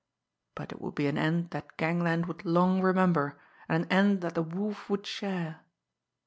But it would be an end that gangland would long remember, and an end that the Wolf would share!